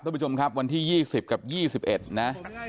ท่านผู้ชมครับวันที่๒๐กับ๒๑นะ